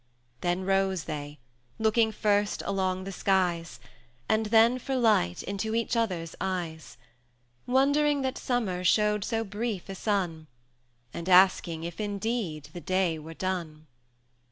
Then rose they, looking first along the skies, And then for light into each other's eyes, Wondering that Summer showed so brief a sun, And asking if indeed the day were done.